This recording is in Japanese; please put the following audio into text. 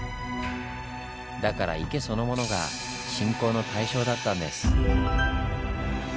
だから池そのものが信仰の対象だったんです。